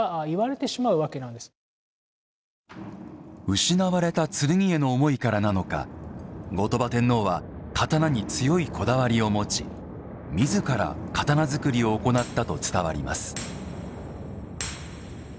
失われた剣への思いからなのか後鳥羽天皇は刀に強いこだわりを持ちみずから刀作りを行ったと伝わります。